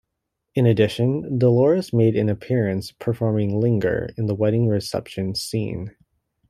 In addition, Dolores made an appearance performing "Linger" in the wedding reception scene.